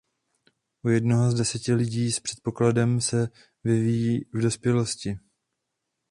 U jednoho z deseti lidí s předpokladem se vyvíjí v dospělosti.